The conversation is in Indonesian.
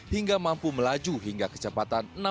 hingga mampu melaju hingga kecepatan